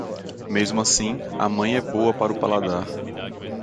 Mesmo assim, a mãe é boa para o paladar.